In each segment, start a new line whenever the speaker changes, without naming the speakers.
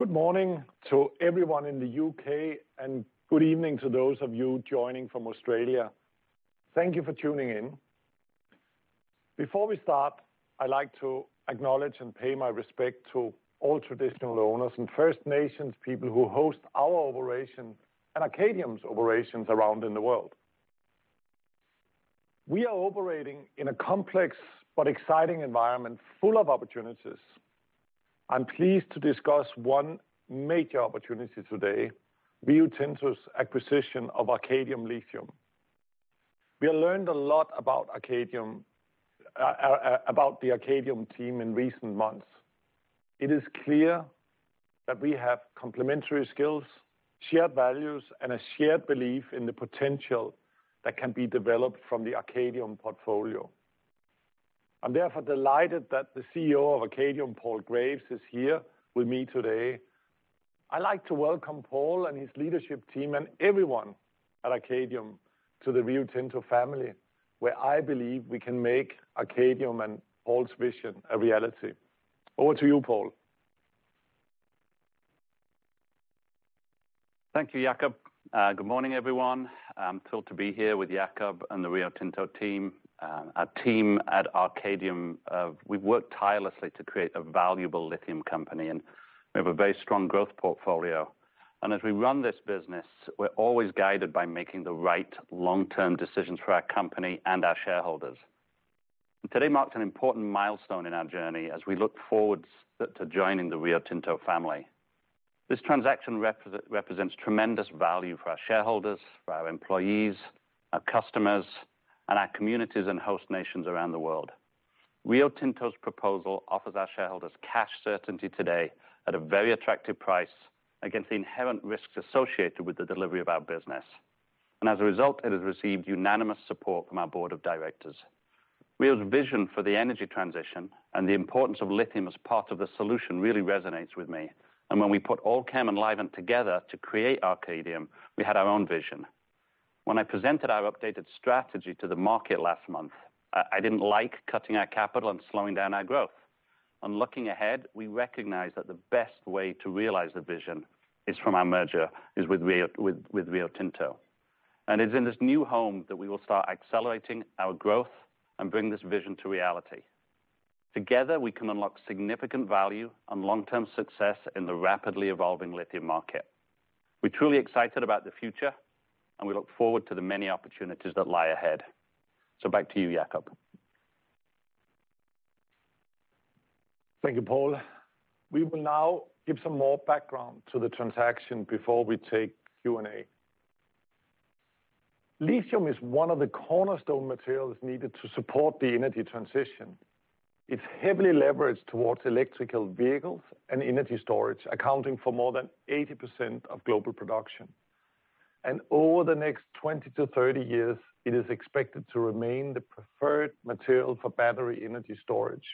Good morning to everyone in the UK, and good evening to those of you joining from Australia. Thank you for tuning in. Before we start, I'd like to acknowledge and pay my respect to all traditional owners and First Nations people who host our operation and Arcadium's operations around in the world. We are operating in a complex but exciting environment, full of opportunities. I'm pleased to discuss one major opportunity today, Rio Tinto's acquisition of Arcadium Lithium. We have learned a lot about Arcadium, about the Arcadium team in recent months. It is clear that we have complementary skills, shared values, and a shared belief in the potential that can be developed from the Arcadium portfolio. I'm therefore delighted that the CEO of Arcadium, Paul Graves, is here with me today. I'd like to welcome Paul and his leadership team, and everyone at Arcadium to the Rio Tinto family, where I believe we can make Arcadium and Paul's vision a reality. Over to you, Paul.
Thank you, Jakob. Good morning, everyone. I'm thrilled to be here with Jakob and the Rio Tinto team. Our team at Arcadium, we've worked tirelessly to create a valuable lithium company, and we have a very strong growth portfolio, and as we run this business, we're always guided by making the right long-term decisions for our company and our shareholders. Today marks an important milestone in our journey as we look forward to joining the Rio Tinto family. This transaction represents tremendous value for our shareholders, for our employees, our customers, and our communities, and host nations around the world. Rio Tinto's proposal offers our shareholders cash certainty today at a very attractive price against the inherent risks associated with the delivery of our business, and as a result, it has received unanimous support from our board of directors. Rio's vision for the energy transition and the importance of lithium as part of the solution really resonates with me. And when we put Allkem and Livent together to create Arcadium, we had our own vision. When I presented our updated strategy to the market last month, I didn't like cutting our capital and slowing down our growth. On looking ahead, we recognize that the best way to realize the vision is from our merger, is with Rio, with Rio Tinto. And it's in this new home that we will start accelerating our growth and bring this vision to reality. Together, we can unlock significant value and long-term success in the rapidly evolving lithium market. We're truly excited about the future, and we look forward to the many opportunities that lie ahead. So back to you, Jakob.
Thank you, Paul. We will now give some more background to the transaction before we take Q&A. Lithium is one of the cornerstone materials needed to support the energy transition. It's heavily leveraged towards electric vehicles and energy storage, accounting for more than 80% of global production. Over the next 20 to 30 years, it is expected to remain the preferred material for battery energy storage.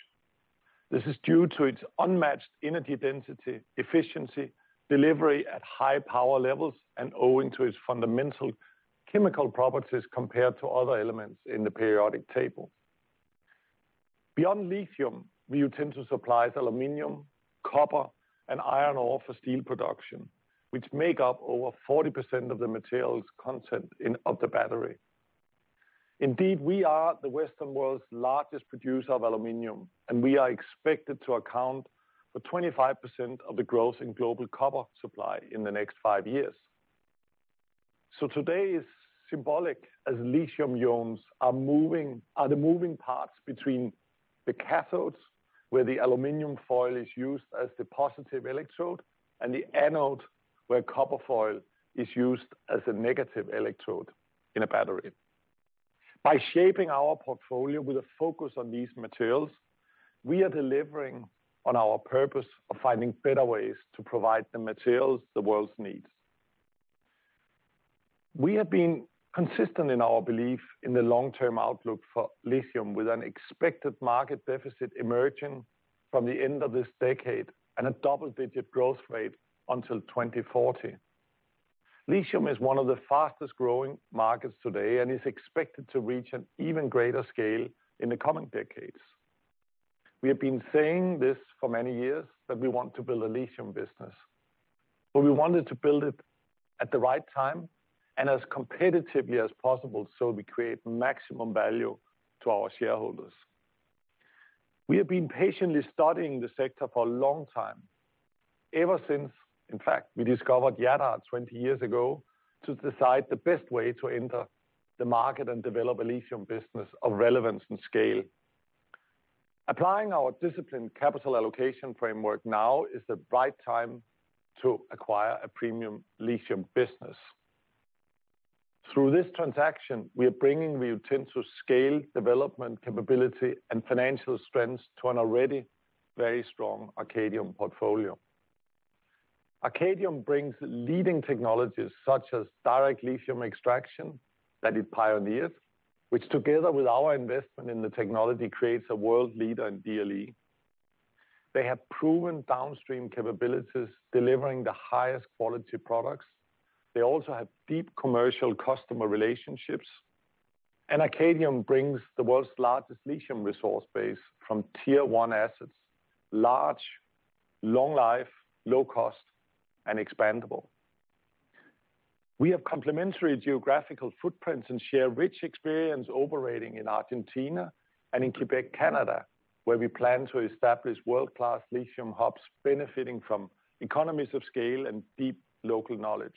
This is due to its unmatched energy density, efficiency, delivery at high power levels, and owing to its fundamental chemical properties compared to other elements in the periodic table. Beyond lithium, Rio Tinto supplies aluminum, copper, and iron ore for steel production, which make up over 40% of the materials content of the battery. Indeed, we are the Western world's largest producer of aluminum, and we are expected to account for 25% of the growth in global copper supply in the next five years, so today is symbolic, as lithium ions are moving, the moving parts between the cathodes, where the aluminum foil is used as the positive electrode, and the anode, where copper foil is used as a negative electrode in a battery. By shaping our portfolio with a focus on these materials, we are delivering on our purpose of finding better ways to provide the materials the world needs. We have been consistent in our belief in the long-term outlook for lithium, with an expected market deficit emerging from the end of this decade and a double-digit growth rate until 2040. Lithium is one of the fastest-growing markets today and is expected to reach an even greater scale in the coming decades. We have been saying this for many years, that we want to build a lithium business, but we wanted to build it at the right time and as competitively as possible, so we create maximum value to our shareholders. We have been patiently studying the sector for a long time, ever since, in fact, we discovered Jadar 20 years ago, to decide the best way to enter the market and develop a lithium business of relevance and scale. Applying our disciplined capital allocation framework, now is the right time to acquire a premium lithium business. Through this transaction, we are bringing Rio Tinto's scale, development capability, and financial strengths to an already very strong Arcadium portfolio. Arcadium brings leading technologies such as direct lithium extraction, that it pioneers, which, together with our investment in the technology, creates a world leader in DLE. They have proven downstream capabilities, delivering the highest quality products. They also have deep commercial customer relationships. Arcadium brings the world's largest lithium resource base from Tier One assets, large, long life, low cost, and expandable. We have complementary geographical footprints and share rich experience operating in Argentina and in Quebec, Canada, where we plan to establish world-class lithium hubs, benefiting from economies of scale and deep local knowledge.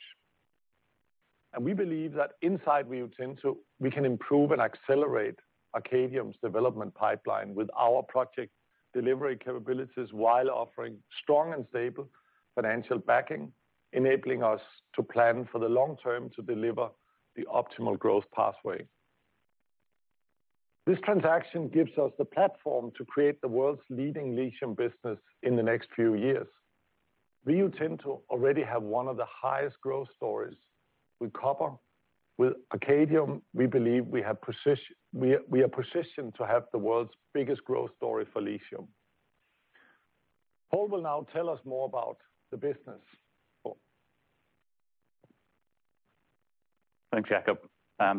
We believe that inside Rio Tinto, we can improve and accelerate Arcadium's development pipeline with our project delivery capabilities, while offering strong and stable financial backing, enabling us to plan for the long term to deliver the optimal growth pathway. This transaction gives us the platform to create the world's leading lithium business in the next few years. Rio Tinto already have one of the highest growth stories with copper. With Arcadium, we believe we are positioned to have the world's biggest growth story for lithium. Paul will now tell us more about the business. Paul?
Thanks, Jakob.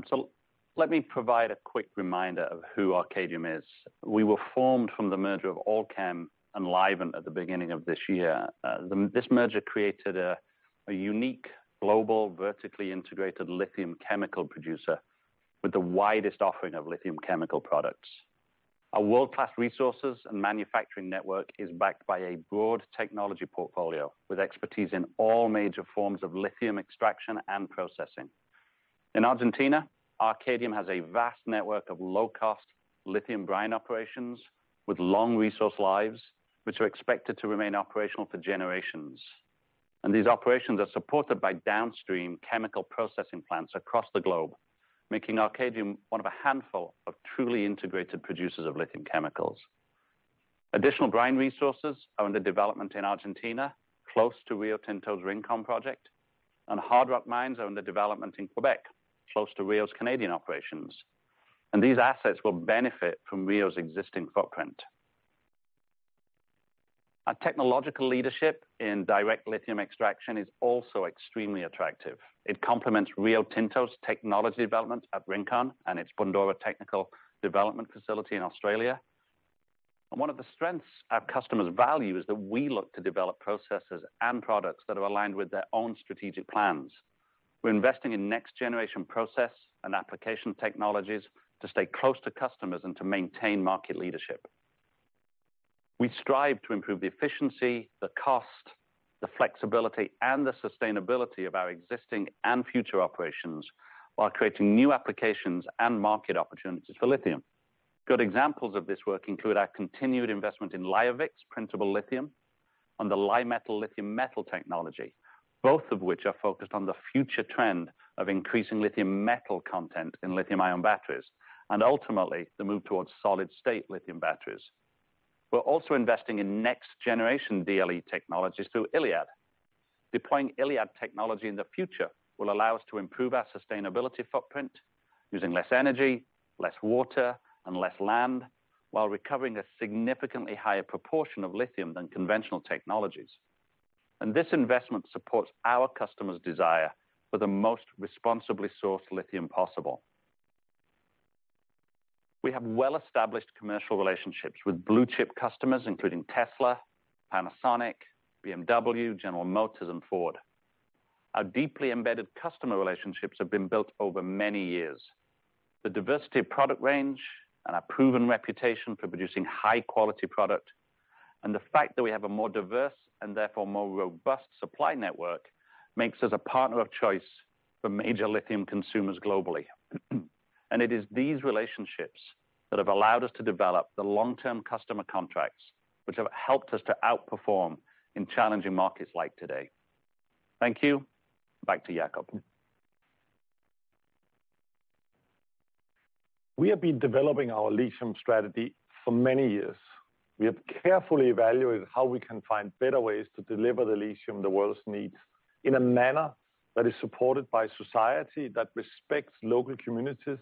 So let me provide a quick reminder of who Arcadium is. We were formed from the merger of Allkem and Livent at the beginning of this year. This merger created a unique global, vertically integrated lithium chemical producer with the widest offering of lithium chemical products. Our world-class resources and manufacturing network is backed by a broad technology portfolio, with expertise in all major forms of lithium extraction and processing. In Argentina, Arcadium has a vast network of low-cost lithium brine operations with long resource lives, which are expected to remain operational for generations. These operations are supported by downstream chemical processing plants across the globe, making Arcadium one of a handful of truly integrated producers of lithium chemicals. Additional brine resources are under development in Argentina, close to Rio Tinto's Rincon project, and hard rock mines are under development in Quebec, close to Rio's Canadian operations, and these assets will benefit from Rio's existing footprint. Our technological leadership in direct lithium extraction is also extremely attractive. It complements Rio Tinto's technology development at Rincon and its Bundoora technical development facility in Australia, and one of the strengths our customers value is that we look to develop processes and products that are aligned with their own strategic plans. We're investing in next generation process and application technologies to stay close to customers and to maintain market leadership. We strive to improve the efficiency, the cost, the flexibility, and the sustainability of our existing and future operations, while creating new applications and market opportunities for lithium. Good examples of this work include our continued investment in LioVix printable lithium and the Li-Metal lithium metal technology, both of which are focused on the future trend of increasing lithium metal content in lithium-ion batteries, and ultimately, the move towards solid-state lithium batteries. We're also investing in next generation DLE technologies through ILiAD. Deploying IL technology in the future will allow us to improve our sustainability footprint, using less energy, less water, and less land, while recovering a significantly higher proportion of lithium than conventional technologies, and this investment supports our customers' desire for the most responsibly sourced lithium possible. We have well-established commercial relationships with blue chip customers, including Tesla, Panasonic, BMW, General Motors, and Ford. Our deeply embedded customer relationships have been built over many years. The diversity of product range and our proven reputation for producing high quality product, and the fact that we have a more diverse and therefore more robust supply network, makes us a partner of choice for major lithium consumers globally, and it is these relationships that have allowed us to develop the long-term customer contracts, which have helped us to outperform in challenging markets like today. Thank you. Back to Jakob.
We have been developing our lithium strategy for many years. We have carefully evaluated how we can find better ways to deliver the lithium the world needs, in a manner that is supported by society, that respects local communities,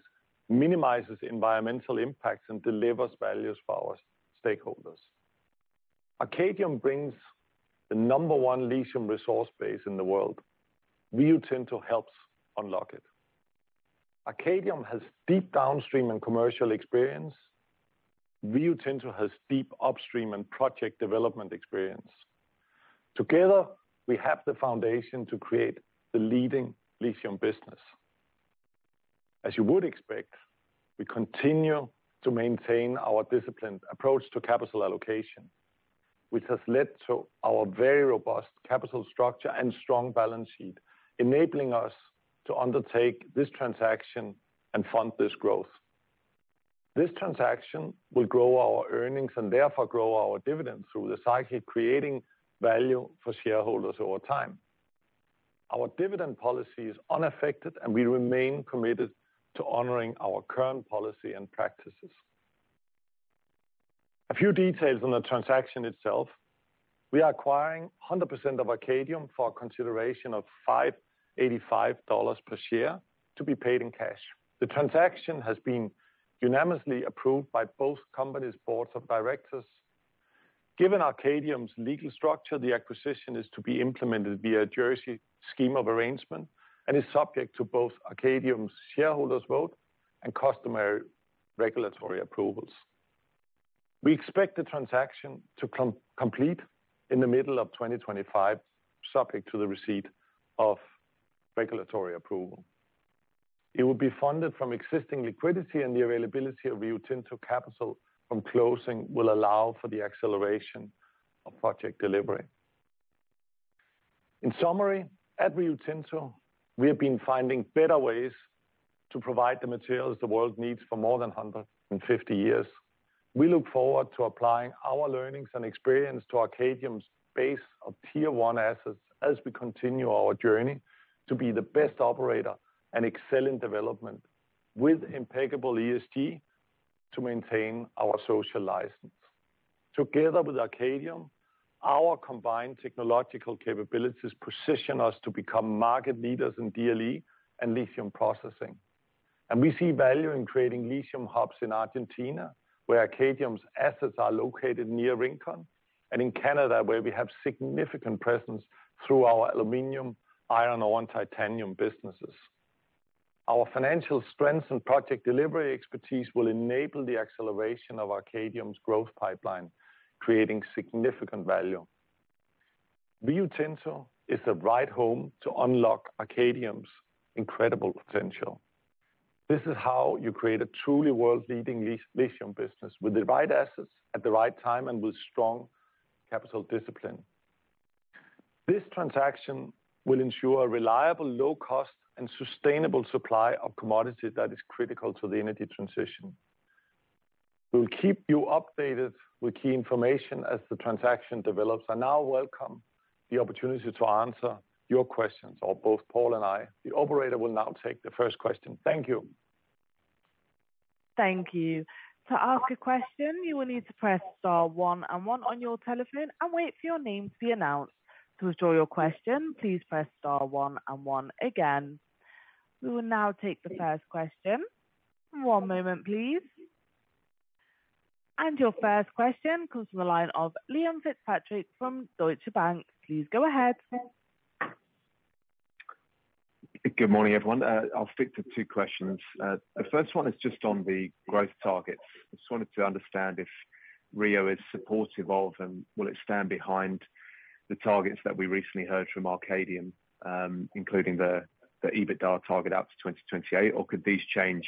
minimizes environmental impacts, and delivers values for our stakeholders. Arcadium brings the number one lithium resource base in the world. Rio Tinto helps unlock it. Arcadium has deep downstream and commercial experience. Rio Tinto has deep upstream and project development experience. Together, we have the foundation to create the leading lithium business. As you would expect, we continue to maintain our disciplined approach to capital allocation, which has led to our very robust capital structure and strong balance sheet, enabling us to undertake this transaction and fund this growth. This transaction will grow our earnings and therefore grow our dividends through the cycle, creating value for shareholders over time. Our dividend policy is unaffected, and we remain committed to honoring our current policy and practices. A few details on the transaction itself. We are acquiring 100% of Arcadium for a consideration of $5.85 per share to be paid in cash. The transaction has been unanimously approved by both companies' boards of directors. Given Arcadium's legal structure, the acquisition is to be implemented via a Jersey Scheme of Arrangement and is subject to both Arcadium's shareholders' vote and customary regulatory approvals. We expect the transaction to complete in the middle of 2025, subject to the receipt of regulatory approval. It will be funded from existing liquidity, and the availability of Rio Tinto capital from closing will allow for the acceleration of project delivery. In summary, at Rio Tinto, we have been finding better ways to provide the materials the world needs for more than 150 years. We look forward to applying our learnings and experience to Arcadium's base of Tier One assets as we continue our journey to be the best operator and excel in development, with impeccable ESG to maintain our social license. Together with Arcadium, our combined technological capabilities position us to become market leaders in DLE and lithium processing, and we see value in creating lithium hubs in Argentina, where Arcadium's assets are located near Rincon, and in Canada, where we have significant presence through our aluminum, iron ore, and titanium businesses. Our financial strength and project delivery expertise will enable the acceleration of Arcadium's growth pipeline, creating significant value. Rio Tinto is the right home to unlock Arcadium's incredible potential. This is how you create a truly world-leading lithium business, with the right assets at the right time and with strong capital discipline. This transaction will ensure a reliable, low cost, and sustainable supply of commodity that is critical to the energy transition. We'll keep you updated with key information as the transaction develops, and I welcome the opportunity to answer your questions, or both Paul and I. The operator will now take the first question. Thank you.
Thank you. To ask a question, you will need to press star one and one on your telephone and wait for your name to be announced. To withdraw your question, please press star one and one again. We will now take the first question. One moment, please. And your first question comes from the line of Liam Fitzpatrick from Deutsche Bank. Please go ahead.
Good morning, everyone. I'll stick to two questions. The first one is just on the growth targets. Just wanted to understand if Rio is supportive of, and will it stand behind the targets that we recently heard from Arcadium, including the EBITDA target out to 2028, or could these change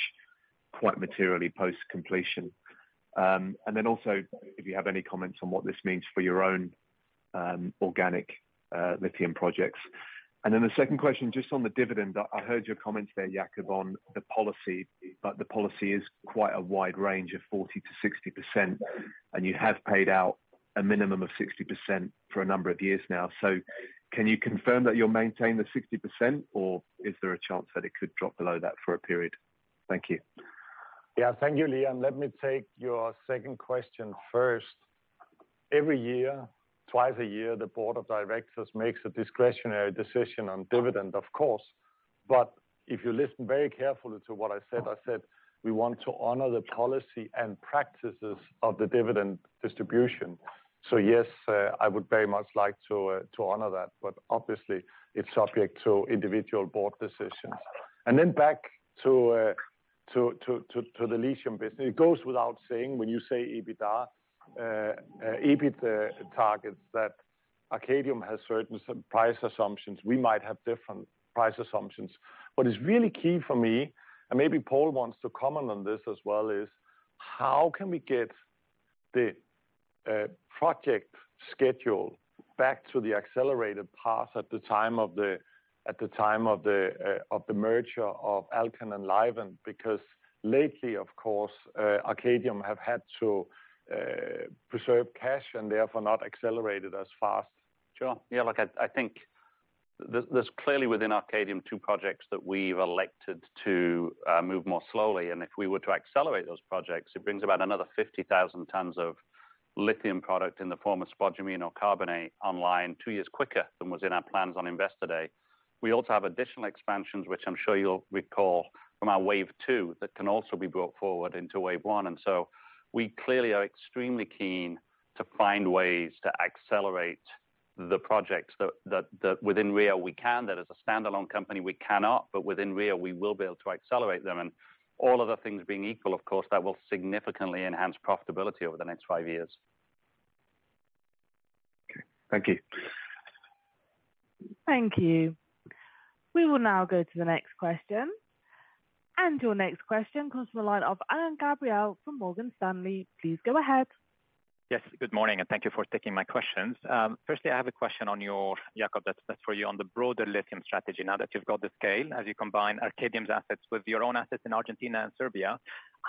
quite materially post-completion? And then also, if you have any comments on what this means for your own, organic, lithium projects. And then the second question, just on the dividend, I heard your comments there, Jakob, on the policy, but the policy is quite a wide range of 40%-60%, and you have paid out a minimum of 60% for a number of years now. So can you confirm that you'll maintain the 60%, or is there a chance that it could drop below that for a period? Thank you.
Yeah. Thank you, Liam. Let me take your second question first. Every year, twice a year, the board of directors makes a discretionary decision on dividend, of course, but if you listen very carefully to what I said, I said we want to honor the policy and practices of the dividend distribution. So yes, I would very much like to honor that, but obviously it's subject to individual board decisions. And then back to the lithium business. It goes without saying, when you say EBITDA, EBIT targets, that Arcadium has certain price assumptions. We might have different price assumptions, but it's really key for me, and maybe Paul wants to comment on this as well: How can we get the project schedule back to the accelerated path at the time of the merger of Allkem and Livent? Because lately, of course, Arcadium have had to preserve cash and therefore not accelerated as fast.
Sure. Yeah, look, I think there's clearly within Arcadium, two projects that we've elected to move more slowly, and if we were to accelerate those projects, it brings about another 50,000 tons of lithium product in the form of spodumene or carbonate online, two years quicker than was in our plans on Investor Day. We also have additional expansions, which I'm sure you'll recall from our wave two, that can also be brought forward into wave one. And so we clearly are extremely keen to find ways to accelerate the projects that within Rio we can, that as a standalone company, we cannot, but within Rio, we will be able to accelerate them. And all other things being equal, of course, that will significantly enhance profitability over the next five years.
Okay. Thank you.
Thank you. We will now go to the next question. And your next question comes from the line of Alain Gabriel from Morgan Stanley. Please go ahead.
Yes, good morning, and thank you for taking my questions. Firstly, I have a question on your, Jakob, that's for you, on the broader lithium strategy. Now that you've got the scale, as you combine Arcadium's assets with your own assets in Argentina and Serbia,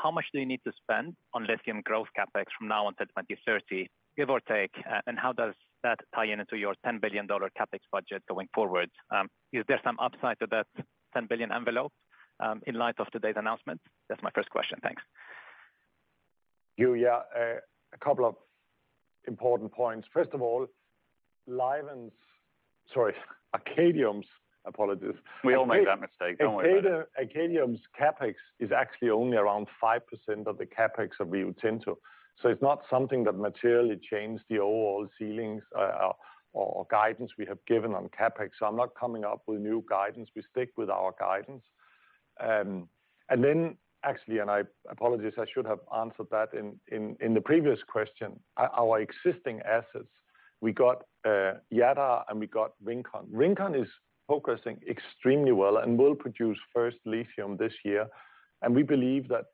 how much do you need to spend on lithium growth CapEx from now until 2030, give or take? And how does that tie into your $10 billion CapEx budget going forward? Is there some upside to that $10 billion envelope, in light of today's announcement? That's my first question. Thanks.
Yeah, yeah. A couple of important points. First of all... Livent's, sorry, Arcadium's, apologies.
We all make that mistake, don't worry about it.
Arcadium's CapEx is actually only around 5% of the CapEx of the total. So it's not something that materially changed the overall ceilings or guidance we have given on CapEx. So I'm not coming up with new guidance. We stick with our guidance. And then actually, and I apologize, I should have answered that in the previous question. Our existing assets, we got Jadar, and we got Rincon. Rincon is progressing extremely well and will produce first lithium this year, and we believe that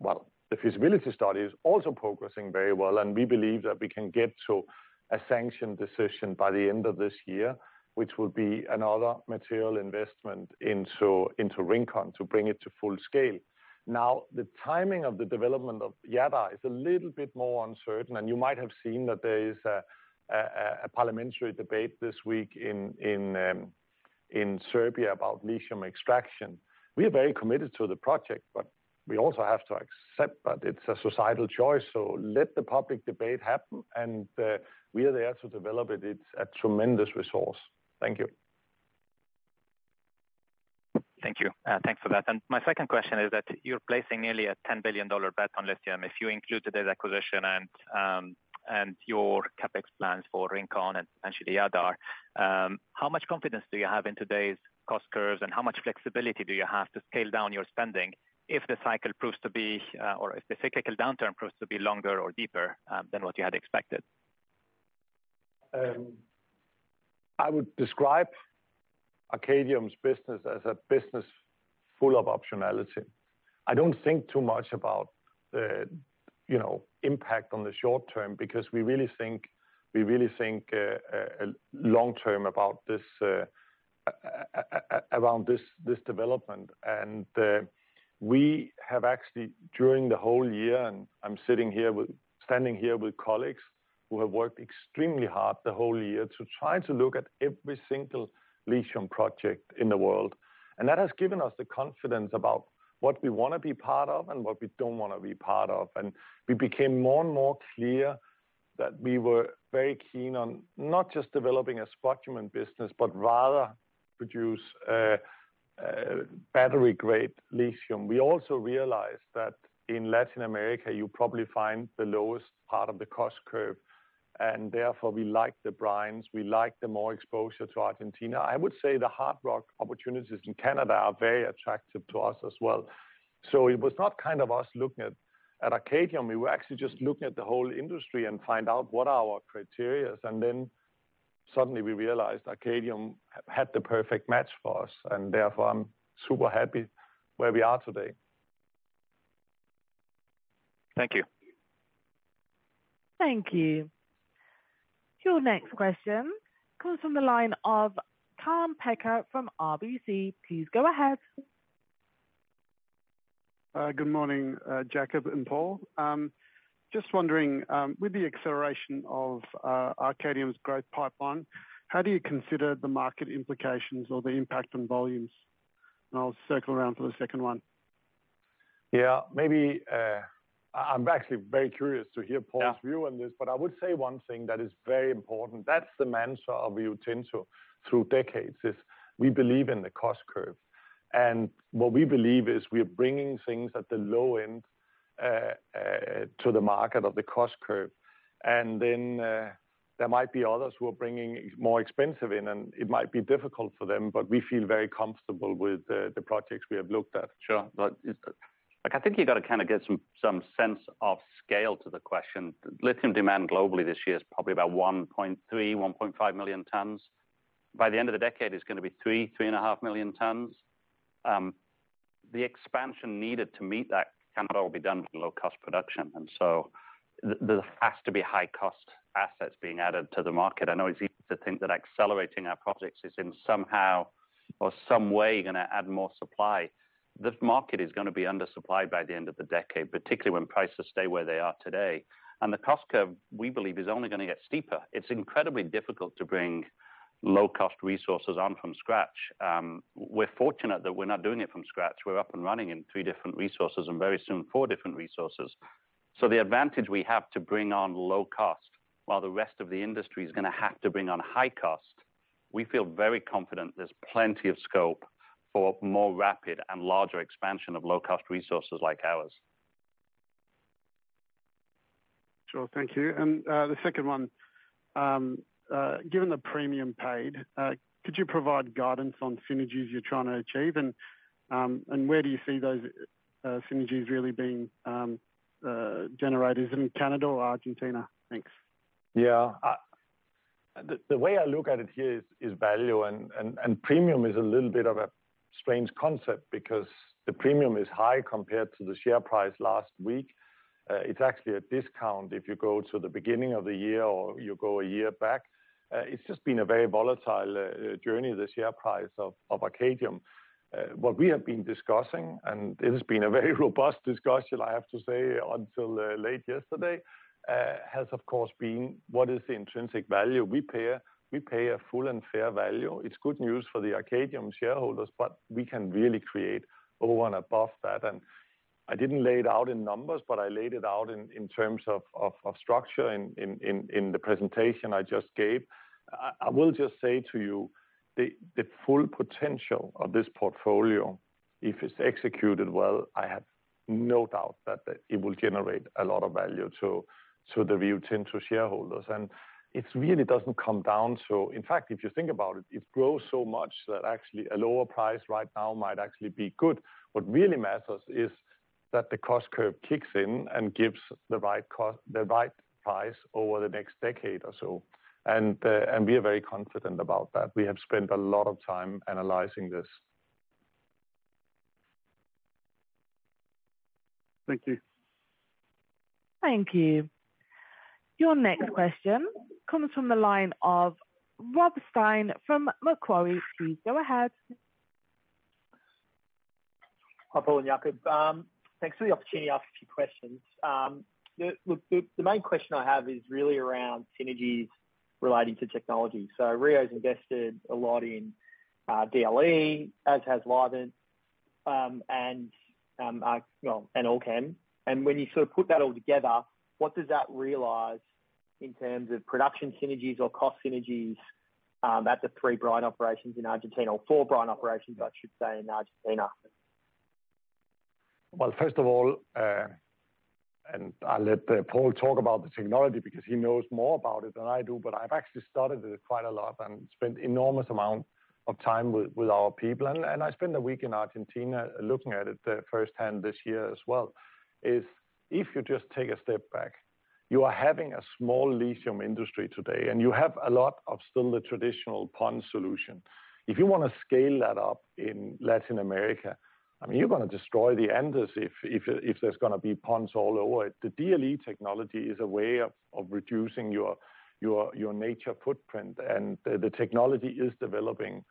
well, the feasibility study is also progressing very well, and we believe that we can get to a sanction decision by the end of this year, which will be another material investment into Rincon to bring it to full scale. Now, the timing of the development of Jadar is a little bit more uncertain, and you might have seen that there is a parliamentary debate this week in Serbia about lithium extraction. We are very committed to the project, but we also have to accept that it's a societal choice, so let the public debate happen, and we are there to develop it. It's a tremendous resource. Thank you.
Thank you. Thanks for that. And my second question is that you're placing nearly a $10 billion bet on lithium. If you included this acquisition and your CapEx plans for Rincon and potentially Jadar, how much confidence do you have in today's cost curves, and how much flexibility do you have to scale down your spending if the cycle proves to be or if the cyclical downturn proves to be longer or deeper than what you had expected?
I would describe Arcadium's business as a business full of optionality. I don't think too much about the, you know, impact on the short term, because we really think long term about this around this development. We have actually during the whole year, and I'm standing here with colleagues who have worked extremely hard the whole year to try to look at every single lithium project in the world. That has given us the confidence about what we want to be part of and what we don't want to be part of. We became more and more clear that we were very keen on not just developing a spodumene business, but rather produce battery-grade lithium. We also realized that in Latin America, you probably find the lowest part of the cost curve, and therefore we like the brines, we like the more exposure to Argentina. I would say the hard rock opportunities in Canada are very attractive to us as well. So it was not kind of us looking at Arcadium, we were actually just looking at the whole industry and find out what are our criteria, and then suddenly we realized Arcadium had the perfect match for us, and therefore I'm super happy where we are today.
Thank you.
Thank you. Your next question comes from the line of Tom Pepper from RBC. Please go ahead.
Good morning, Jakob and Paul. Just wondering, with the acceleration of Arcadium's growth pipeline, how do you consider the market implications or the impact on volumes? And I'll circle around to the second one.
Yeah. Maybe, I'm actually very curious to hear Paul's-
Yeah View on this, but I would say one thing that is very important, that's the mantra of Rio Tinto through decades, is we believe in the cost curve. And what we believe is we are bringing things at the low end to the market of the cost curve. And then, there might be others who are bringing more expensive in, and it might be difficult for them, but we feel very comfortable with the projects we have looked at. Sure. But it's, like, I think you've got to kind of get some sense of scale to the question. Lithium demand globally this year is probably about 1.3, 1.5 million tons. By the end of the decade, it's going to be 3, 3.5 million tons. The expansion needed to meet that cannot all be done from low-cost production, and so there has to be high-cost assets being added to the market. I know it's easy to think that accelerating our projects is in somehow or some way gonna add more supply. This market is gonna be undersupplied by the end of the decade, particularly when prices stay where they are today. And the cost curve, we believe, is only gonna get steeper. It's incredibly difficult to bring low-cost resources on from scratch. We're fortunate that we're not doing it from scratch. We're up and running in three different resources and very soon, four different resources. So the advantage we have to bring on low-cost, while the rest of the industry is gonna have to bring on high-cost, we feel very confident there's plenty of scope for more rapid and larger expansion of low-cost resources like ours.
Sure. Thank you. And the second one, given the premium paid, could you provide guidance on synergies you're trying to achieve? And where do you see those synergies really being generated? Is it in Canada or Argentina? Thanks.
Yeah. The way I look at it here is value, and premium is a little bit of a strange concept because the premium is high compared to the share price last week. It's actually a discount if you go to the beginning of the year or you go a year back. It's just been a very volatile journey, the share price of Arcadium. What we have been discussing, and it has been a very robust discussion, I have to say, until late yesterday, has, of course, been what is the intrinsic value? We pay a full and fair value. It's good news for the Arcadium shareholders, but we can really create over and above that, and... I didn't lay it out in numbers, but I laid it out in terms of structure in the presentation I just gave. I will just say to you the full potential of this portfolio, if it's executed well. I have no doubt that it will generate a lot of value to the Rio Tinto shareholders. It really doesn't come down to. In fact, if you think about it, it grows so much that actually a lower price right now might actually be good. What really matters is that the cost curve kicks in and gives the right cost, the right price over the next decade or so. We are very confident about that. We have spent a lot of time analyzing this.
Thank you. Thank you. Your next question comes from the line of Rob Stein from Macquarie. Please go ahead.
Hi, Paul and Jakob. Thanks for the opportunity to ask a few questions. The, look, the main question I have is really around synergies relating to technology. So Rio's invested a lot in, DLE, as has Livent, and, well, and Allkem. And when you sort of put that all together, what does that realize in terms of production synergies or cost synergies, at the three brine operations in Argentina, or four brine operations, I should say, in Argentina?
First of all, I'll let Paul talk about the technology because he knows more about it than I do, but I've actually studied it quite a lot and spent enormous amount of time with our people. I spent a week in Argentina looking at it firsthand this year as well. If you just take a step back, you are having a small lithium industry today, and you still have a lot of the traditional pond solution. If you want to scale that up in Latin America, I mean, you're gonna destroy the Andes if there's gonna be ponds all over it. The DLE technology is a way of reducing your environmental footprint, and the technology is developing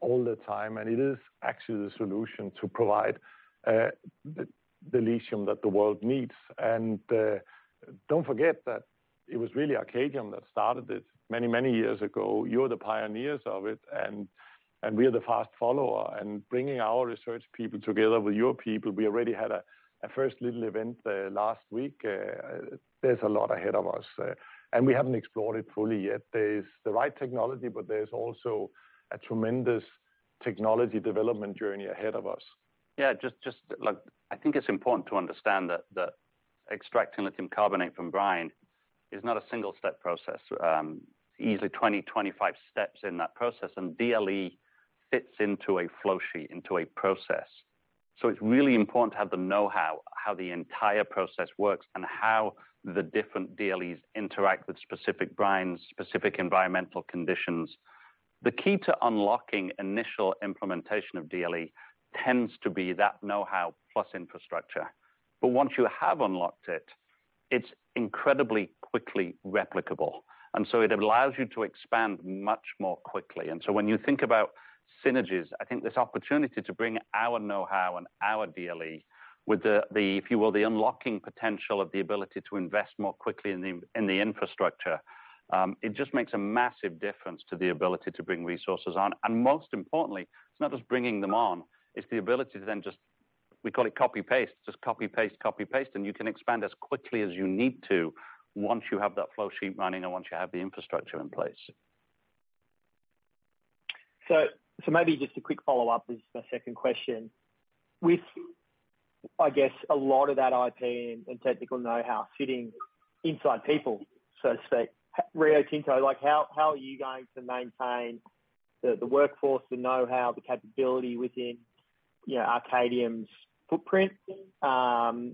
all the time, and it is actually the solution to provide the lithium that the world needs. And don't forget that it was really Arcadium that started this many, many years ago. You're the pioneers of it, and we are the fast follower, and bringing our research people together with your people, we already had a first little event last week. There's a lot ahead of us, and we haven't explored it fully yet. There's the right technology, but there's also a tremendous technology development journey ahead of us.
Yeah, just... Look, I think it's important to understand that extracting lithium carbonate from brine is not a single-step process. Easily 20-25 steps in that process, and DLE fits into a flow sheet, into a process. So it's really important to have the know-how, how the entire process works and how the different DLEs interact with specific brines, specific environmental conditions. The key to unlocking initial implementation of DLE tends to be that know-how plus infrastructure. But once you have unlocked it, it's incredibly quickly replicable, and so it allows you to expand much more quickly. And so when you think about synergies, I think this opportunity to bring our know-how and our DLE with the, if you will, the unlocking potential of the ability to invest more quickly in the infrastructure. It just makes a massive difference to the ability to bring resources on. And most importantly, it's not just bringing them on, it's the ability to then just, we call it copy-paste, just copy-paste, copy-paste, and you can expand as quickly as you need to once you have that flow sheet running and once you have the infrastructure in place.
Maybe just a quick follow-up, this is my second question: With, I guess, a lot of that IP and technical know-how sitting inside people, so to speak, Rio Tinto, like, how are you going to maintain the workforce, the know-how, the capability within, you know, Arcadium's footprint, and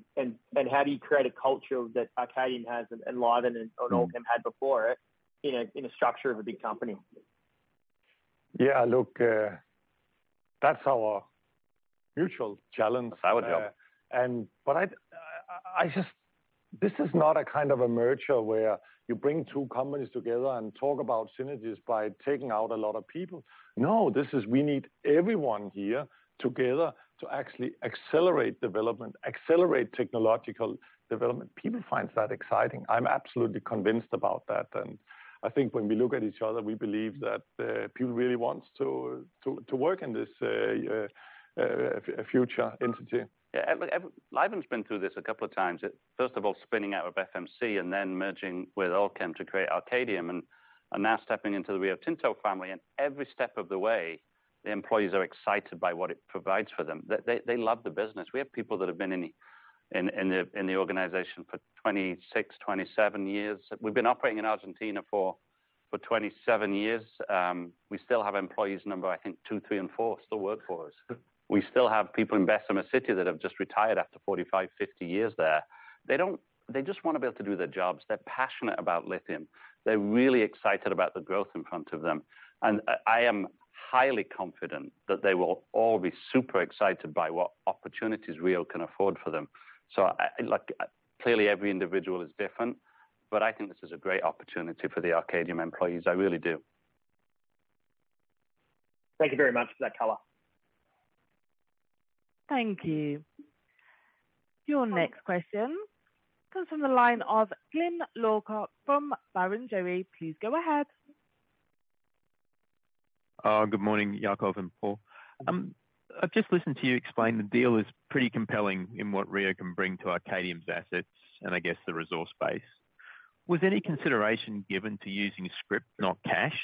how do you create a culture that Arcadium has and Livent and Allkem had before it, in a structure of a big company?
Yeah, look, that's our mutual challenge.
I would help. This is not a kind of a merger where you bring two companies together and talk about synergies by taking out a lot of people. No, this is we need everyone here together to actually accelerate development, accelerate technological development. People find that exciting. I'm absolutely convinced about that, and I think when we look at each other, we believe that people really wants to work in this future entity. Yeah, Livent's been through this a couple of times. First of all, spinning out of FMC and then merging with Allkem to create Arcadium, and now stepping into the Rio Tinto family, and every step of the way, the employees are excited by what it provides for them. They love the business. We have people that have been in the organization for 26, 27 years. We've been operating in Argentina for 27 years. We still have employees number, I think 2, 3, and 4, still work for us. We still have people in Bessemer City that have just retired after 45, 50 years there. They don't. They just want to be able to do their jobs. They're passionate about lithium. They're really excited about the growth in front of them, and I, I am highly confident that they will all be super excited by what opportunities Rio can afford for them. So I, like, clearly, every individual is different, but I think this is a great opportunity for the Arcadium employees. I really do.
Thank you very much for that color.
Thank you. Your next question comes from the line of Glyn Lawcock from Barrenjoey. Please go ahead....
Good morning, Jakob and Paul. I've just listened to you explain the deal is pretty compelling in what Rio can bring to Arcadium's assets and I guess the resource base. Was any consideration given to using scrip, not cash?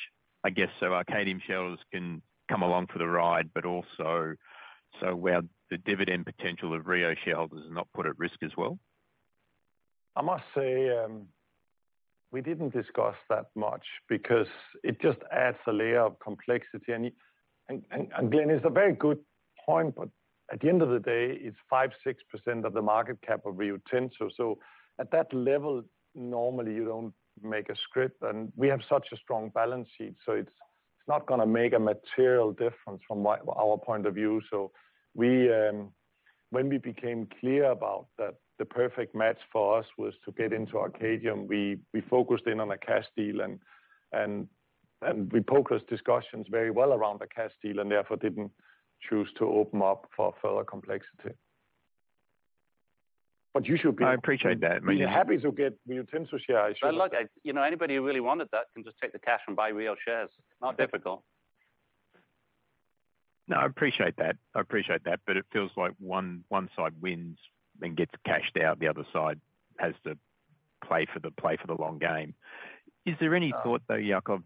I guess, so Arcadium shareholders can come along for the ride, but also so where the dividend potential of Rio shareholders is not put at risk as well.
I must say, we didn't discuss that much because it just adds a layer of complexity, and Glenn, it's a very good point, but at the end of the day, it's 5-6% of the market cap of Rio Tinto. So at that level, normally you don't make a scrip, and we have such a strong balance sheet, so it's not gonna make a material difference from my, our point of view. So we, when we became clear about that, the perfect match for us was to get into Arcadium. We focused in on a cash deal, and we focused discussions very well around the cash deal and therefore didn't choose to open up for further complexity. But you should be-
I appreciate that.
We are happy to get Rio Tinto share issues.
But look, you know, anybody who really wanted that can just take the cash and buy Rio shares. Not difficult.
No, I appreciate that. I appreciate that, but it feels like one side wins and gets cashed out, the other side has to play for the long game. Is there any thought, though, Jakob,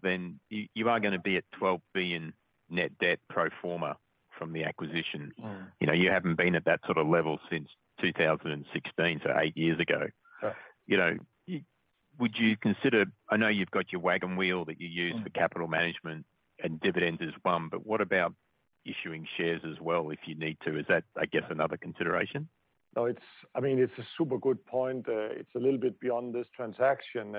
you are gonna be at 12 billion net debt pro forma from the acquisition.
Mm.
You know, you haven't been at that sort of level since two thousand and sixteen, so eight years ago.
Right.
You know, would you consider... I know you've got your wagon wheel that you use-
Mm.
for capital management and dividends as one, but what about issuing shares as well if you need to? Is that, I guess, another consideration?
No, it's. I mean, it's a super good point. It's a little bit beyond this transaction.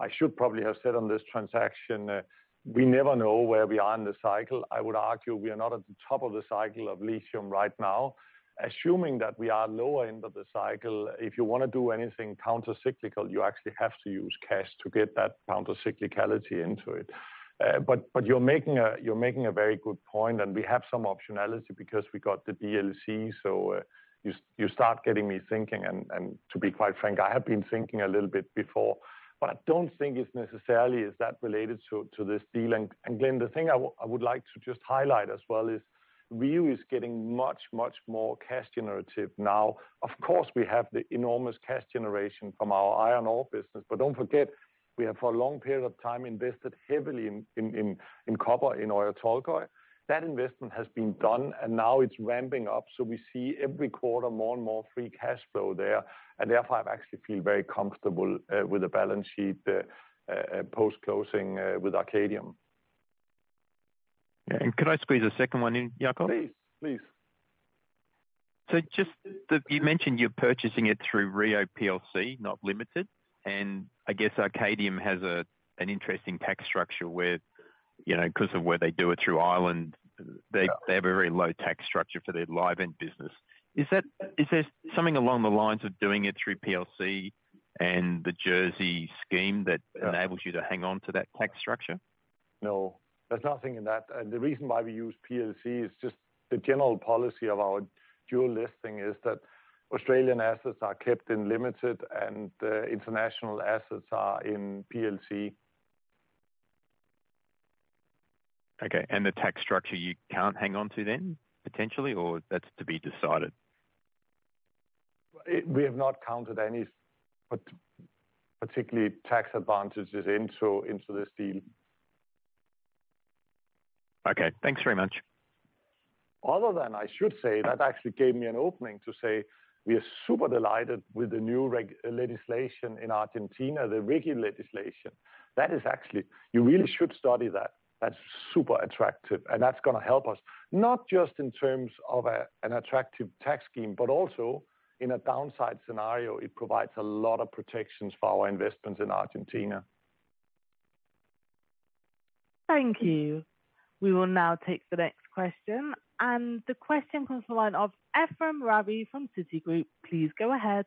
I should probably have said on this transaction, we never know where we are in the cycle. I would argue we are not at the top of the cycle of lithium right now. Assuming that we are lower end of the cycle, if you want to do anything countercyclical, you actually have to use cash to get that countercyclicality into it. But you're making a very good point, and we have some optionality because we got the DLE. So you start getting me thinking, and to be quite frank, I have been thinking a little bit before, but I don't think it's necessarily is that related to this deal. Glenn, the thing I would like to just highlight as well is Rio is getting much, much more cash generative now. Of course, we have the enormous cash generation from our iron ore business, but don't forget, we have, for a long period of time, invested heavily in copper, in Oyu Tolgoi. That investment has been done, and now it's ramping up, so we see every quarter more and more free cash flow there, and therefore I actually feel very comfortable with the balance sheet post-closing with Arcadium.
Yeah, and could I squeeze a second one in, Jakob?
Please, please.
So just you mentioned you're purchasing it through Rio PLC, not Limited, and I guess Arcadium has an interesting tax structure where, you know, 'cause of where they do it through Ireland.
Yeah...
they have a very low tax structure for their Livent business. Is there something along the lines of doing it through PLC and the Jersey scheme that-
Yeah
enables you to hang on to that tax structure?
No, there's nothing in that. And the reason why we use PLC is just the general policy of our dual listing is that Australian assets are kept in Limited, and international assets are in PLC.
Okay, and the tax structure, you can't hang on to it then, potentially, or that's to be decided?
We have not counted any particularly tax advantages into this deal.
Okay. Thanks very much.
Other than I should say, that actually gave me an opening to say we are super delighted with the new RIGI legislation in Argentina, the RIGI legislation. That is actually, you really should study that. That's super attractive, and that's gonna help us, not just in terms of an attractive tax scheme, but also in a downside scenario, it provides a lot of protections for our investments in Argentina.
Thank you. We will now take the next question, and the question comes from the line of Ephrem Ravi from Citigroup. Please go ahead.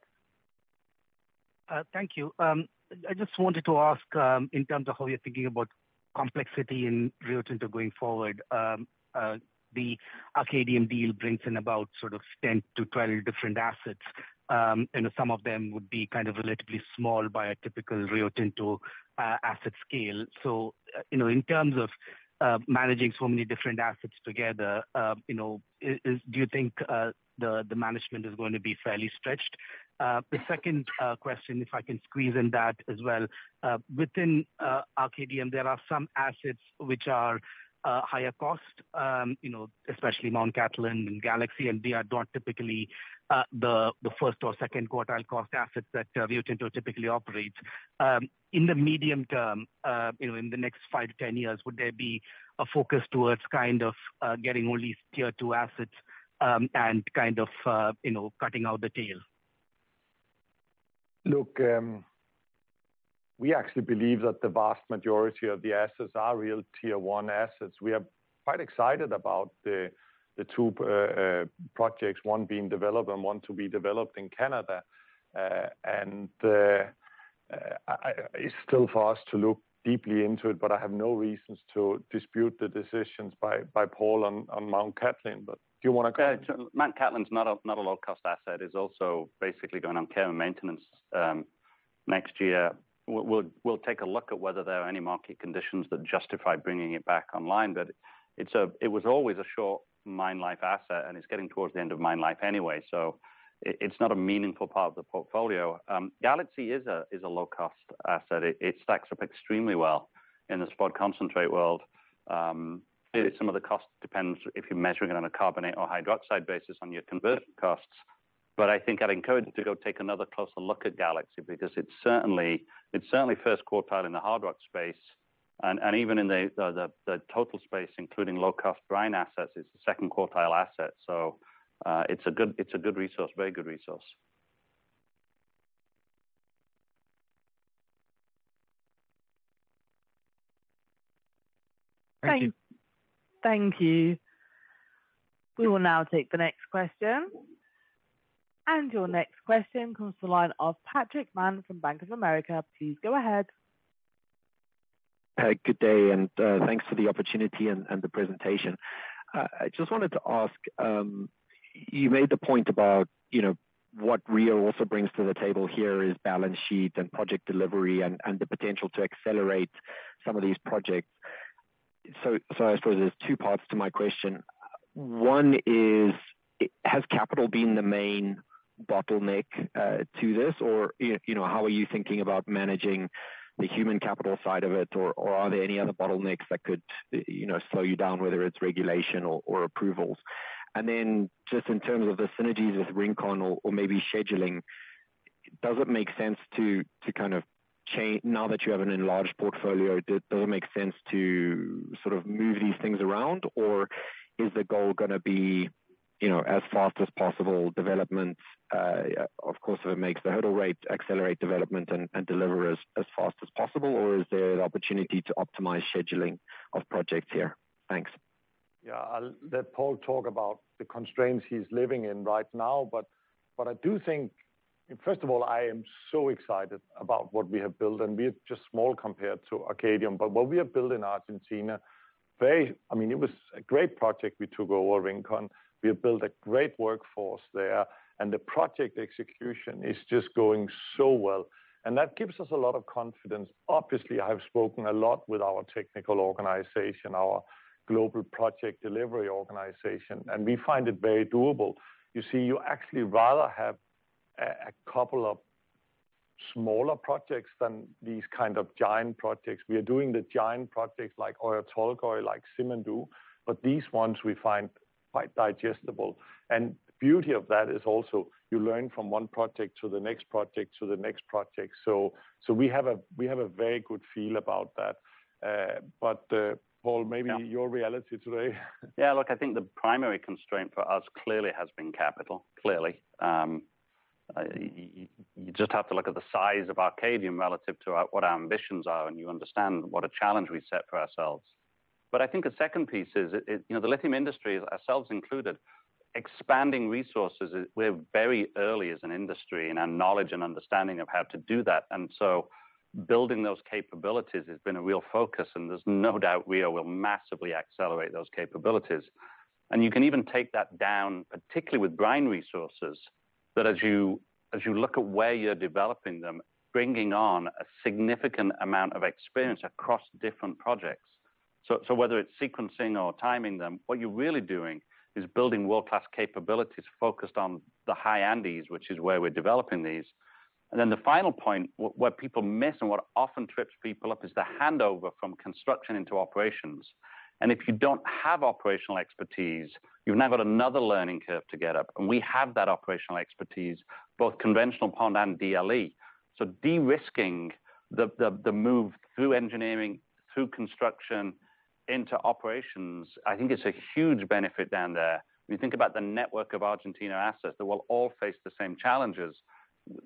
Thank you. I just wanted to ask, in terms of how you're thinking about complexity in Rio Tinto going forward. The Arcadium deal brings in about sort of 10-12 different assets, and some of them would be kind of relatively small by a typical Rio Tinto asset scale. So, you know, in terms of managing so many different assets together, you know, is do you think the management is going to be fairly stretched? The second question, if I can squeeze in that as well. Within Arcadium, there are some assets which are higher cost, you know, especially Mt Cattlin and Galaxy, and they are not typically the first or second quartile cost assets that Rio Tinto typically operates. In the medium term, you know, in the next five to 10 years, would there be a focus towards kind of cutting out the tail?
Look, we actually believe that the vast majority of the assets are real Tier One assets. We are quite excited about the two projects, one being developed and one to be developed in Canada, and it's still for us to look deeply into it, but I have no reasons to dispute the decisions by Paul on Mt Cattlin. But do you want to comment?
Yeah, Mt Cattlin's not a, not a low-cost asset, is also basically going on care and maintenance next year. We'll take a look at whether there are any market conditions that justify bringing it back online. But it's a. It was always a short mine life asset, and it's getting towards the end of mine life anyway, so it's not a meaningful part of the portfolio. Galaxy is a low-cost asset. It stacks up extremely well in the spodumene concentrate world. Some of the cost depends if you're measuring it on a carbonate or hydroxide basis on your conversion costs. But I think I'd encourage you to go take another closer look at Galaxy, because it's certainly first quartile in the hard rock space, and even in the total space, including low-cost brine assets, it's a second quartile asset, so it's a good resource, very good resource.
Thank you.
Thank you. We will now take the next question. And your next question comes from the line of Patrick Mann from Bank of America. Please go ahead.
Good day, and thanks for the opportunity and the presentation. I just wanted to ask, you made the point about, you know, what Rio also brings to the table here is balance sheet and project delivery and the potential to accelerate some of these projects. So I suppose there's two parts to my question. One is, has capital been the main bottleneck to this? Or, you know, how are you thinking about managing the human capital side of it, or are there any other bottlenecks that could, you know, slow you down, whether it's regulation or approvals? And then, just in terms of the synergies with Rincon or maybe scheduling, does it make sense to kind of change now that you have an enlarged portfolio, does it make sense to sort of move these things around? Or is the goal gonna be, you know, as fast as possible development? Of course, if it makes the hurdle rate, accelerate development and deliver as fast as possible, or is there an opportunity to optimize scheduling of projects here? Thanks.
Yeah, I'll let Paul talk about the constraints he's living in right now, but I do think. First of all, I am so excited about what we have built, and we're just small compared to Arcadium, but what we have built in Argentina, very... I mean, it was a great project we took over Rincon. We have built a great workforce there, and the project execution is just going so well, and that gives us a lot of confidence. Obviously, I've spoken a lot with our technical organization, our global project delivery organization, and we find it very doable. You see, you actually rather have a couple of smaller projects than these kind of giant projects. We are doing the giant projects like Oyu Tolgoi, like Simandou, but these ones we find quite digestible. And the beauty of that is also you learn from one project to the next project to the next project, so we have a very good feel about that. But, Paul, maybe your reality today?
Yeah, look, I think the primary constraint for us clearly has been capital, clearly. You just have to look at the size of Arcadium relative to our, what our ambitions are, and you understand what a challenge we set for ourselves. But I think a second piece is, you know, the lithium industry, ourselves included, expanding resources, we're very early as an industry in our knowledge and understanding of how to do that. And so building those capabilities has been a real focus, and there's no doubt we will massively accelerate those capabilities. And you can even take that down, particularly with brine resources, that as you look at where you're developing them, bringing on a significant amount of experience across different projects. So whether it's sequencing or timing them, what you're really doing is building world-class capabilities focused on the high Andes, which is where we're developing these. And then the final point, what people miss and what often trips people up, is the handover from construction into operations. And if you don't have operational expertise, you've now got another learning curve to get up, and we have that operational expertise, both conventional pond and DLE. So de-risking the move through engineering, through construction into operations, I think it's a huge benefit down there. When you think about the network of Argentina assets, that we'll all face the same challenges,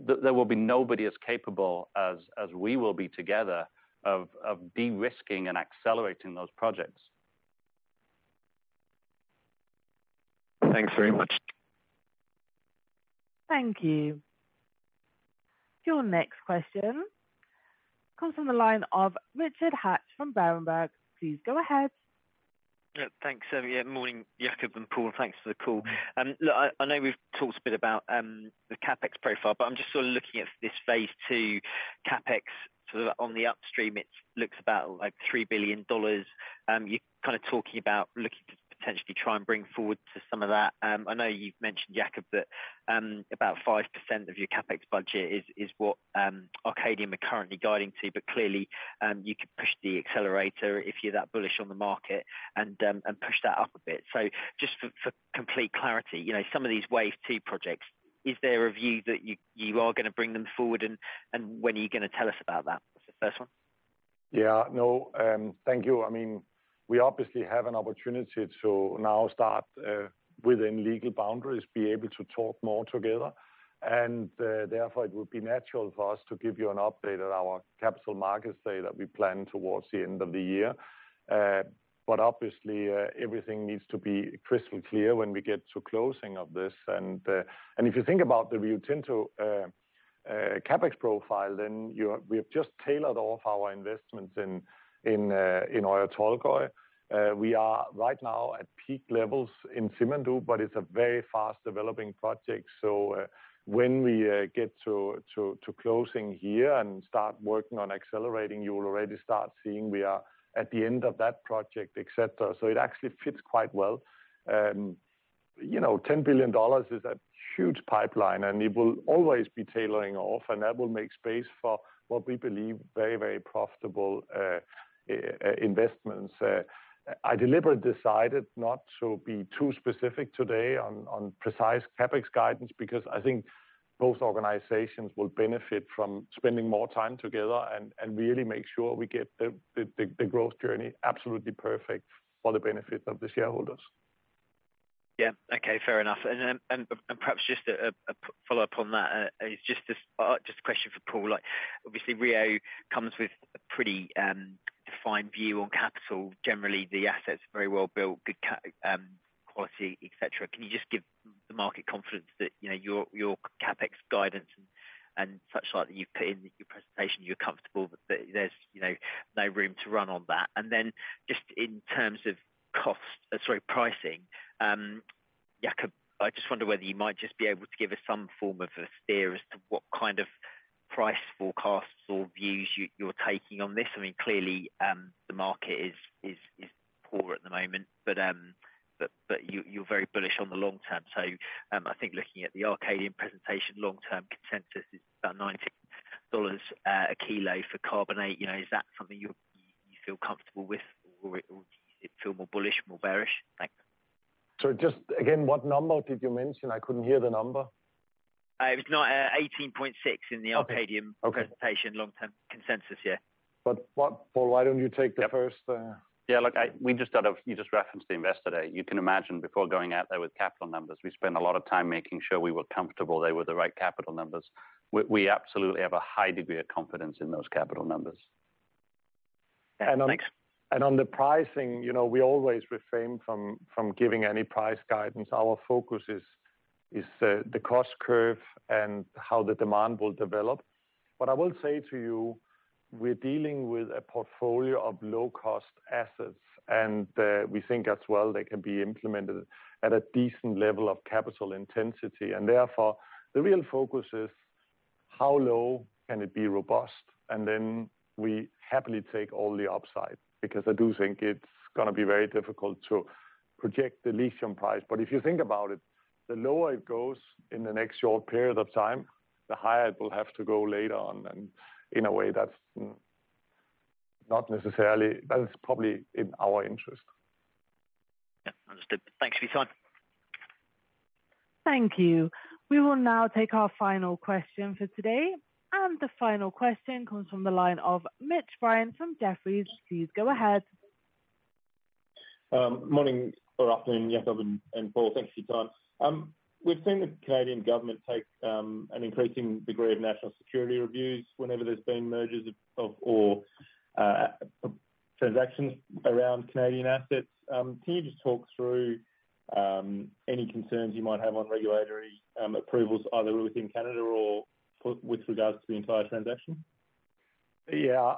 there will be nobody as capable as we will be together of de-risking and accelerating those projects.
Thanks very much.
Thank you. Your next question comes from the line of Richard Hatch from Berenberg. Please go ahead.
Yeah, thanks. Yeah, morning, Jakob and Paul, thanks for the call. Look, I know we've talked a bit about the CapEx profile, but I'm just sort of looking at this phase two CapEx. Sort of on the upstream, it looks about, like, $3 billion. You're kind of talking about looking to potentially try and bring forward some of that. I know you've mentioned, Jakob, that about 5% of your CapEx budget is what Arcadium are currently guiding to, but clearly, you could push the accelerator if you're that bullish on the market and push that up a bit. So just for complete clarity, you know, some of these wave two projects, is there a view that you are gonna bring them forward, and when are you gonna tell us about that? That's the first one.
Yeah, no, thank you. I mean, we obviously have an opportunity to now start, within legal boundaries, be able to talk more together. And, therefore, it would be natural for us to give you an update at our capital markets day that we plan towards the end of the year. But obviously, everything needs to be crystal clear when we get to closing of this. And if you think about the Rio Tinto CapEx profile, then you, we have just tailored all of our investments in Oyu Tolgoi. We are right now at peak levels in Simandou, but it's a very fast-developing project. So, when we get to closing here and start working on accelerating, you will already start seeing we are at the end of that project, et cetera. It actually fits quite well. You know, $10 billion is a huge pipeline, and it will always be tailing off, and that will make space for what we believe very, very profitable investments. I deliberately decided not to be too specific today on precise CapEx guidance, because I think both organizations will benefit from spending more time together and really make sure we get the growth journey absolutely perfect for the benefit of the shareholders.
Yeah. Okay, fair enough. And then, perhaps just a follow-up on that. This is just a question for Paul. Like, obviously, Rio comes with a pretty defined view on capital. Generally, the asset's very well built, good quality, et cetera. Can you just give the market confidence that, you know, your CapEx guidance and such like that you've put in your presentation, you're comfortable that there's, you know, no room to run on that? And then just in terms of cost... Sorry, pricing, Jakob. I just wonder whether you might just be able to give us some form of a steer as to what kind of price forecasts or views you're taking on this? I mean, clearly, the market is poor at the moment, but you are very bullish on the long term. So, I think looking at the Arcadium presentation, long-term consensus is about $19 a kilo for carbonate. You know, is that something you feel comfortable with, or is it feel more bullish, more bearish? Thanks.
So just again, what number did you mention? I couldn't hear the number.
It was now 18.6 in the-
Okay.
Arcadium presentation long-term consensus, yeah.
But what... Paul, why don't you take the first,
Yeah, look, we just sort of, you just referenced the investor day. You can imagine before going out there with capital numbers, we spent a lot of time making sure we were comfortable they were the right capital numbers. We absolutely have a high degree of confidence in those capital numbers.
Thanks.
On the pricing, you know, we always refrain from giving any price guidance. Our focus is the cost curve and how the demand will develop. But I will say to you, we're dealing with a portfolio of low-cost assets, and we think as well they can be implemented at a decent level of capital intensity. And therefore, the real focus is how low can it be robust? And then we happily take all the upside, because I do think it's gonna be very difficult to project the lithium price. But if you think about it, the lower it goes in the next short period of time, the higher it will have to go later on. And in a way, that's not necessarily, that is probably in our interest.
Yeah. Understood. Thanks for your time.
Thank you. We will now take our final question for today, and the final question comes from the line of Mitch Ryan from Jefferies. Please go ahead.
Morning or afternoon, Jakob and Paul. Thanks for your time. We've seen the Canadian government take an increasing degree of national security reviews whenever there's been mergers or transactions around Canadian assets. Can you just talk through any concerns you might have on regulatory approvals, either within Canada or with regards to the entire transaction?
Yeah,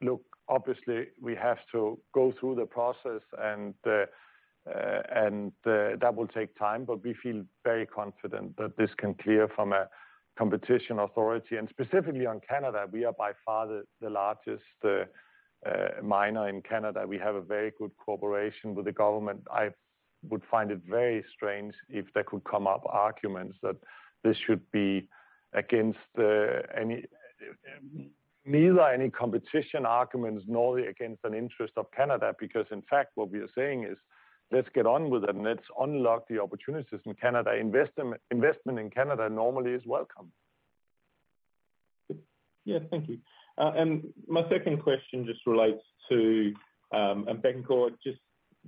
look, obviously, we have to go through the process, and that will take time, but we feel very confident that this can clear from a competition authority. And specifically on Canada, we are by far the largest miner in Canada. We have a very good cooperation with the government. I would find it very strange if there could come up arguments that this should be against any, neither any competition arguments nor against an interest of Canada, because, in fact, what we are saying is let's get on with it and let's unlock the opportunities in Canada. Investment in Canada normally is welcome.
Yeah. Thank you. And my second question just relates to Bécancour. Just,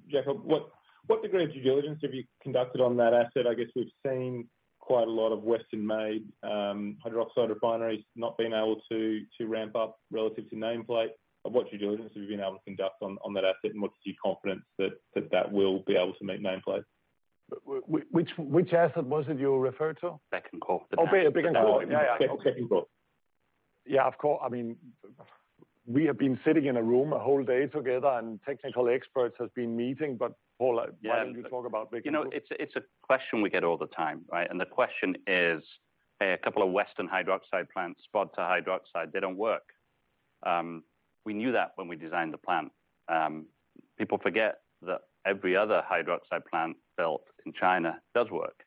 Jakob, what degree of due diligence have you conducted on that asset? I guess we've seen quite a lot of Western-made hydroxide refineries not being able to ramp up relative to nameplate. What due diligence have you been able to conduct on that asset, and what's your confidence that that will be able to meet nameplate?
Which asset was it you referred to?
Bétancourt.
Oh, Bécancour. Yeah, yeah.
Bétancourt.
Yeah, of course. I mean, we have been sitting in a room a whole day together, and technical experts has been meeting, but Paul-
Yeah.
Why don't you talk about Bécancour?
You know, it's a, it's a question we get all the time, right? And the question is, a couple of Western hydroxide plants, spod to hydroxide, they don't work. We knew that when we designed the plant. People forget that every other hydroxide plant built in China does work.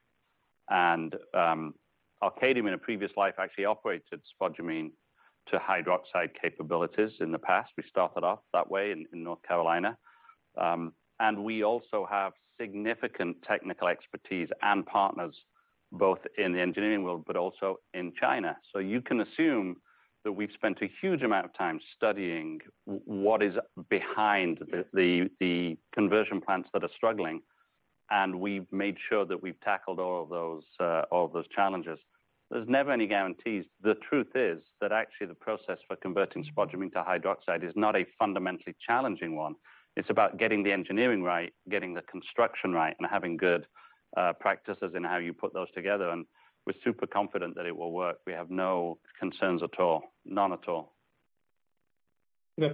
And Arcadium, in a previous life, actually operated spodumene to hydroxide capabilities in the past. We started off that way in North Carolina. And we also have significant technical expertise and partners, both in the engineering world, but also in China. So you can assume that we've spent a huge amount of time studying what is behind the conversion plants that are struggling, and we've made sure that we've tackled all those challenges. There's never any guarantees. The truth is, that actually, the process for converting spodumene to hydroxide is not a fundamentally challenging one. It's about getting the engineering right, getting the construction right, and having good practices in how you put those together, and we're super confident that it will work. We have no concerns at all. None at all.
Yeah.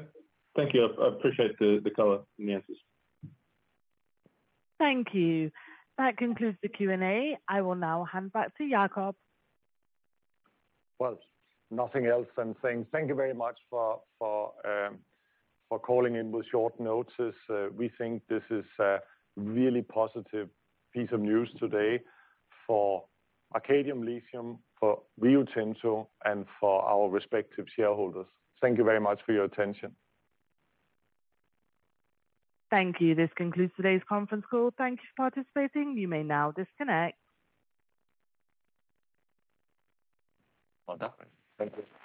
Thank you. I appreciate the color in the answers.
Thank you. That concludes the Q&A. I will now hand back to Jakob.
Nothing else than saying thank you very much for calling in with short notice. We think this is a really positive piece of news today for Arcadium Lithium, for Rio Tinto, and for our respective shareholders. Thank you very much for your attention.
Thank you. This concludes today's conference call. Thank you for participating. You may now disconnect.
Well done. Thank you.